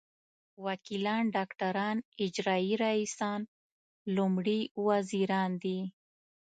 وکیلان ډاکټران اجرايي رییسان لومړي وزیران دي.